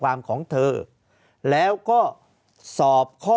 ภารกิจสรรค์ภารกิจสรรค์